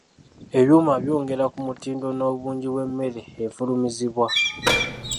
Ebyuma byongera ku mutindo n'obungi bw'emmere efulumizibwa.